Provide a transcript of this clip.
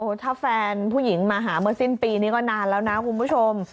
ถ้าแฟนผู้หญิงมาหาเมื่อสิ้นปีนี้ก็นานแล้วนะคุณผู้ชม